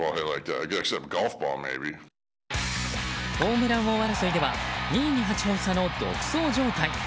ホームラン王争いでは２位に８本差の独走状態。